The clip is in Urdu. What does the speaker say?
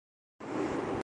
باچ کا ایئر بعد میں آیا